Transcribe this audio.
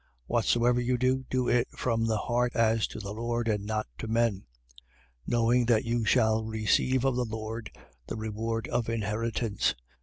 3:23. Whatsoever you do, do it from the heart, as to the Lord, and not to men: 3:24. Knowing that you shall receive of the Lord the reward of inheritance.